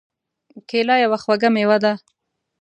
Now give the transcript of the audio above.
کېله یو خوږ مېوه ده.